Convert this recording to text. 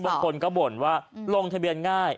บางคนก็บ่นว่าลงทะเบียนง่าย